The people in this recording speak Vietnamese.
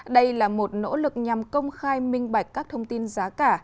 đây là một nỗ lực nhằm công khai minh bạch các thông tin giá cả